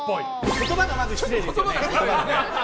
言葉がまず失礼ですね。